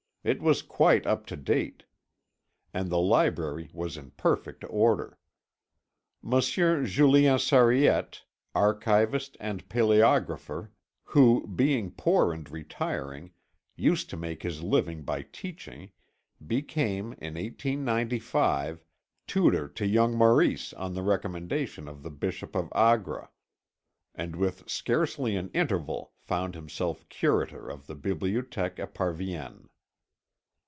It was quite up to date, and the library was in perfect order. Monsieur Julien Sariette, archivist and palæographer, who, being poor and retiring, used to make his living by teaching, became, in 1895, tutor to young Maurice on the recommendation of the Bishop of Agra, and with scarcely an interval found himself curator of the Bibliothèque Esparvienne.